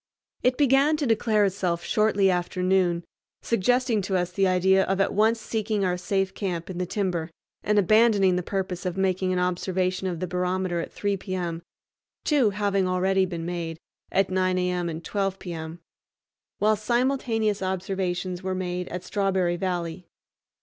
It began to declare itself shortly after noon, suggesting to us the idea of at once seeking our safe camp in the timber and abandoning the purpose of making an observation of the barometer at 3 p.m.,—two having already been made, at 9 a.m., and 12 m., while simultaneous observations were made at Strawberry Valley.